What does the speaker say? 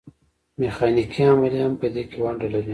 میخانیکي عملیې هم په دې کې ونډه لري.